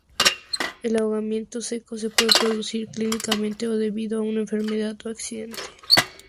El ahogamiento seco se puede producir clínicamente, o debido a enfermedad o accidente.